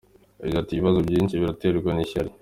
Yagize ati “Ibibazo byinshi biraterwa n’ishyari.